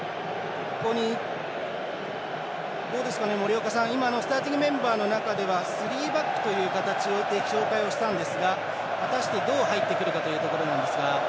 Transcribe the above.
森岡さん、今のスターティングメンバーの中では３バックという形で紹介したんですが果たしてどう入ってくるかというところなんですが。